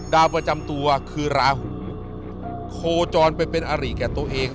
ดาวประจำตัวคือราหูโคจรไปเป็นอริแก่ตัวเอง